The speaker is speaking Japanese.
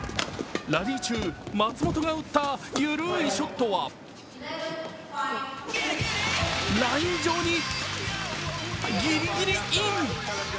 ラリー中、松本が打ったゆるいショットはライン上にギリギリイン。